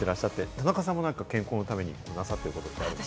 田中さんも健康のためになさってることありますか？